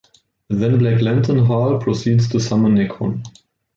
Then Black Lantern Hal proceeds to summon Nekron.